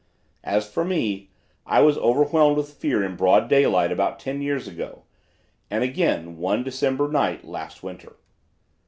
"As for me I was overwhelmed with fear in broad daylight about ten years ago and again one December night last winter.